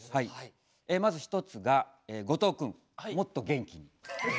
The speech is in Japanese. まず１つが後藤くんもっと元気に。